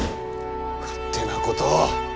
勝手なことを！